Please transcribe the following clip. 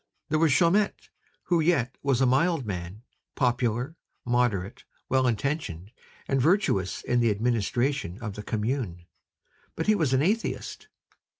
There was Chaumette, who yet was a mild man, popular, moderate, well intentioned, and virtuous in the administration of the Commune; but he was an atheist!